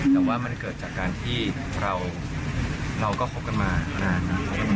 แต่ว่ามันเกิดจากการที่เราก็คบกันมานานแล้ว